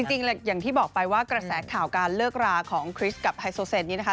จริงอย่างที่บอกไปว่ากระแสข่าวการเลิกราของคริสกับไฮโซเซนนี้นะคะ